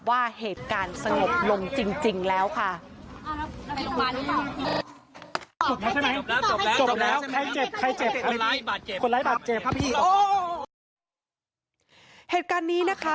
ว่าเหตุการณ์สงบลงจริงแล้วค่ะ